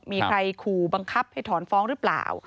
มีใครขู่บังคับให้ถอนฟ้องหรือเปล่า